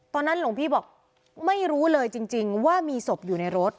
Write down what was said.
หลวงพี่บอกไม่รู้เลยจริงว่ามีศพอยู่ในรถ